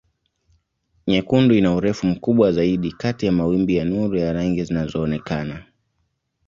Nyekundu ina urefu mkubwa zaidi kati ya mawimbi ya nuru ya rangi zinazoonekana.